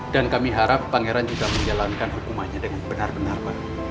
dan kami harap pangeran juga menjalankan hukumannya dengan benar benar baik